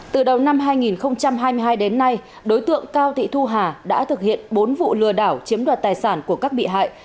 từ đầu năm hai nghìn hai mươi hai đến nay đối tượng cao thị thu hà đã thực hiện bốn vụ lừa đảo chiếm đoạt tài sản của các bị hại